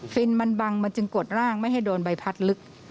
ินมันบังมันจึงกดร่างไม่ให้โดนใบพัดลึก